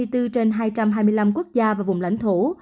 trên hai trăm hai mươi năm quốc gia và vùng lãnh thổ